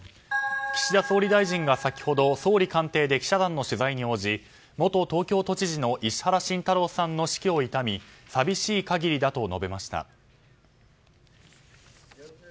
岸田総理大臣が先ほど総理官邸で記者団の取材に応じ元東京都知事の石原慎太郎さんの死去を悼み寂しい限りだと述べました。